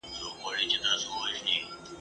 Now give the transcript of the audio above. له پسونو تر هوسیو تر غوایانو ..